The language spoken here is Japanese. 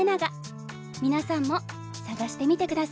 皆さんも探してみてくださいね。